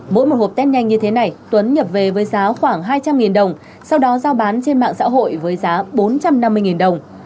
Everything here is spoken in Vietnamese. mỗi một hộp test nhanh như thế này tuấn nhập về với giá khoảng hai trăm linh đồng sau đó giao bán trên mạng xã hội với giá bốn trăm năm mươi đồng